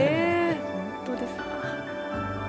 本当です。